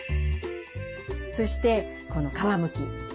そしてこの皮むき。